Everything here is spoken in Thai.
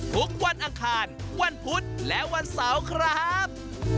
อังคารวันพุธและวันเสาร์ครับ